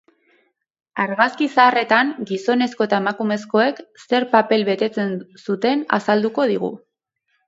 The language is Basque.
Argazki zaharretan, gizonezko eta emakumezkoek zen paper betetzen zuten azalduko digu.